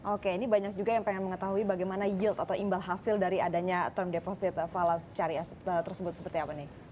oke ini banyak juga yang pengen mengetahui bagaimana yield atau imbal hasil dari adanya term deposit falas syariah tersebut seperti apa nih